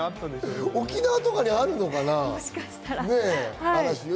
沖縄とかにあるのかな？